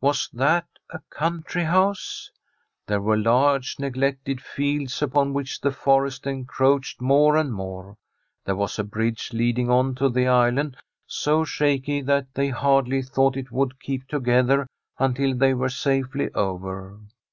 Was that a country house ? There were large neglected fields, upon which the forest encroached more and more. There was a bridge leading on to the island, so shaky that they Jiardly thought it would keep together until they were safely over.